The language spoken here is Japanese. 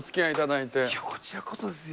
いやこちらこそですよ。